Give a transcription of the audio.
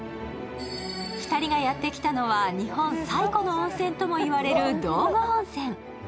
２人がやってきたのは日本最古の温泉とも言われる道後温泉。